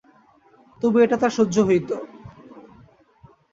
তবু এটা তার সহ্য হইত।